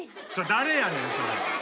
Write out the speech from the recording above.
誰やねんそれ。